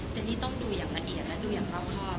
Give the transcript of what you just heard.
นี่ต้องดูอย่างละเอียดและดูอย่างรอบครอบ